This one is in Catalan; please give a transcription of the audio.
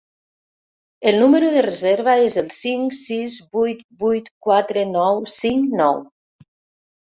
El número de reserva és cinc sis vuit vuit quatre nou cinc nou.